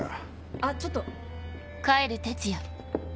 あっちょっと。